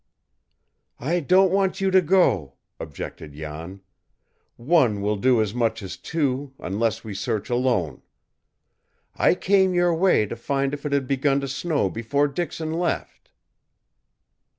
"I don't want you to go," objected Jan. "One will do as much as two, unless we search alone. I came your way to find if it had begun to snow before Dixon left."